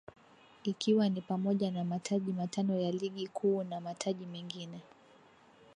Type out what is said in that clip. Ikiwa ni pamoja na mataji matano ya ligi kuu na mataji mengine